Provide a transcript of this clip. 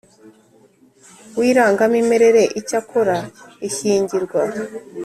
w irangamimerere Icyakora ishyingirwa